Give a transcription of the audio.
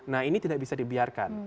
nah ini tidak bisa dibiarkan